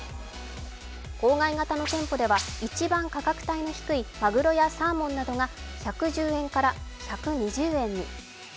郊外型の店舗では一番価格の安いまぐろやサーモンが１１０円から１２０円に。